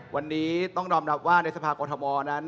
วันนี้ต้องยอมรับว่าในสภากรทมนั้น